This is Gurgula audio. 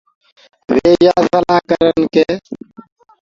وي يآ سلآ ڪرن ڪي